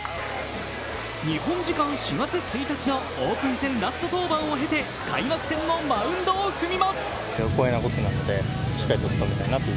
日本時間４月１日のオープン戦ラスト登板を経て、開幕戦のマウンドを踏みます。